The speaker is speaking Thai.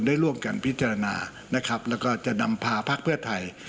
ได้ร่วมกันพิจารณานะครับแล้วก็จะนำพาพักเพื่อไทย